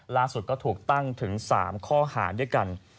ล่าสุดก็ถูกตั้งถึง๓ข้อหาด้วยกัน